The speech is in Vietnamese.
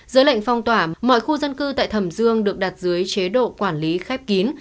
giữa lệnh phong tỏa mọi khu dân cư tại thẩm dương được đặt dưới chế độ quản lý khép kín